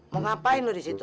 mengapain lo di situ